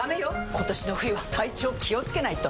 今年の冬は体調気をつけないと！